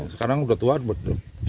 sekarang udah tua berdua